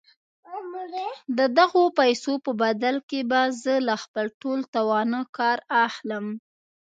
د دغو پيسو په بدل کې به زه له خپل ټول توانه کار اخلم.